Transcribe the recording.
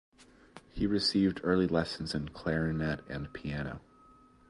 He received early lessons in clarinet and piano.